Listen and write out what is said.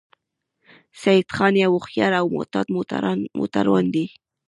سیدخان یو هوښیار او محتاط موټروان دی